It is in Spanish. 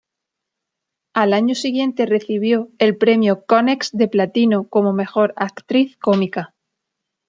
Al año siguiente recibió el premio Konex de Platino como mejor actriz cómica.